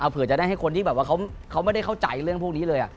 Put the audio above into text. เผื่อจะได้ให้คนที่แบบว่าเขาไม่ได้เข้าใจเรื่องพวกนี้เลย